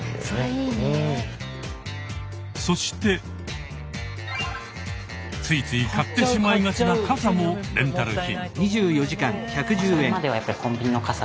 そしてついつい買ってしまいがちなカサもレンタル品。